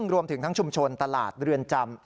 รวมถึงทั้งชุมชนตลาดเรือนจำ